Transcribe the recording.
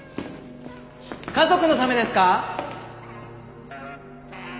家族のためですか？